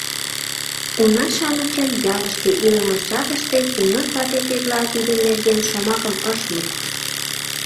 Уна-шамычын ялыште илымышт жапыште Семён вате тетла тидын нерген шомакым ыш лук.